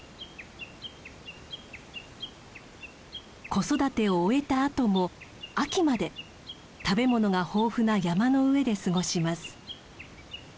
子育てを終えたあとも秋まで食べ物が豊富な山の上で過ごします。